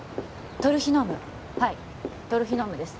トルヒノームはいトルヒノームです